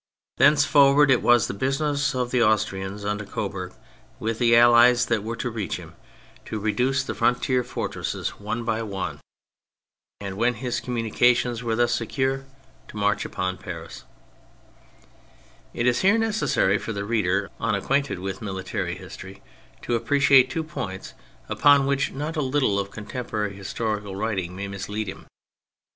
Thence forward it was the business of the Austrians under Coburg, with the Allies that were to reach him, to reduce the frontier fortresses 174 THE FRENCH REVOLUTION one by one, and when his communications were thus secure, to march upon Paris, It is here necessary for the reader imac quainted with military history to appreciate two points upon which not a little of contem porary historical writing may mislead him.